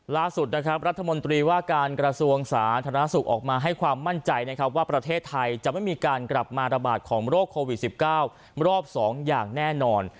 ล่าสุดนะครับรัฐมนตรีว่าการกระทรวงสาธารณสุขออกมาให้ความมั่นใจนะครับว่าประเทศไทยจะไม่มีการกลับมาระบาดของโรคโควิด๑๙รอบ๒อย่างแน่นอน